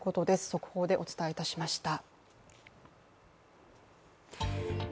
速報でお伝えいたしました。